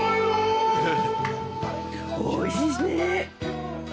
おいしいね。